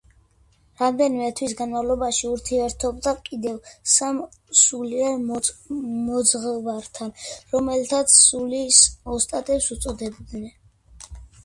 რამდენიმე თვის განმავლობაში ურთიერთობდა კიდევ სამ სულიერ მოძღვართან, რომელთაც „სულის ოსტატებს“ უწოდებდა.